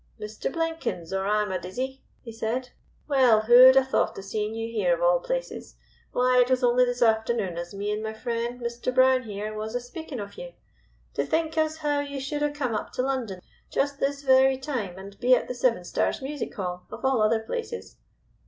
"Mr. Blenkins, or I'm a d'isy," he said. "Well, who'd ha' thought of seeing you here of all places? Why, it was only this afternoon as me and my friend, Mr. Brown here, was a speaking of you. To think as how you should ha' come up to London just this very time, and be at the Seven Stars Music Hall, of all other places!